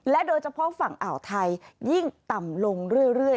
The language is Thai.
โดยเฉพาะฝั่งอ่าวไทยยิ่งต่ำลงเรื่อย